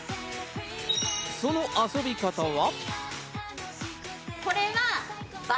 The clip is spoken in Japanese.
その遊び方は。